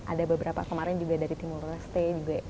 ada beberapa kemarin juga dari timur reste